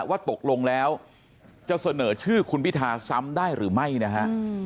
ว่าตกลงแล้วจะเสนอชื่อคุณพิธาซ้ำได้หรือไม่นะฮะ